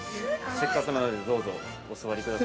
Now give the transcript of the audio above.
◆せっかくなのでどうぞ、お座りください。